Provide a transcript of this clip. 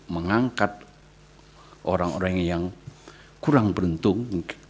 mengangkat orang orang yang kurang beruntung